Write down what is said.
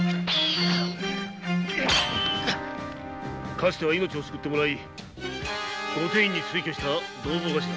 かつては命を救ってもらい御典医に推挙した同朋頭